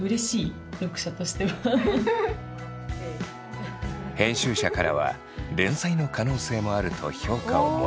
編集者からは連載の可能性もあると評価をもらえた。